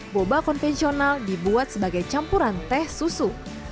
boba konvensional dibuat sebagai campuran teh susu